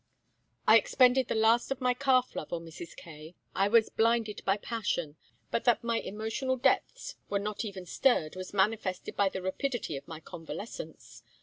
"I expended the last of my calf love on Mrs. Kaye. I was blinded by passion; but that my emotional depths were not even stirred was manifested by the rapidity of my convalescence.